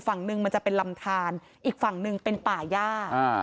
ฝั่งหนึ่งมันจะเป็นลำทานอีกฝั่งหนึ่งเป็นป่าย่า